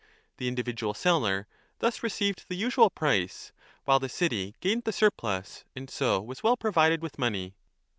The in 1 347 1) dividual seller thus received the usual price, while the BOOK II. 2 1347 city gained the surplus and so was well provided with money.